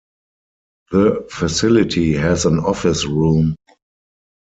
The facility has an office room.